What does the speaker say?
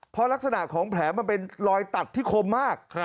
เพราะลักษณะของแผลมันเป็นรอยตัดที่คมมาก